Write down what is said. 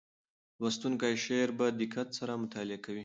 لوستونکی شعر په دقت سره مطالعه کوي.